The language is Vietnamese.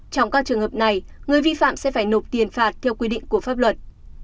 trong các trường hợp này người vi phạm sẽ phải nộp tiền phạt theo quy định của pháp luật